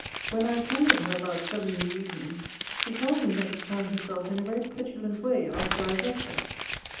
When I attended her about seven in the evening, she told me that she found herself in a very petulant way after I had left her.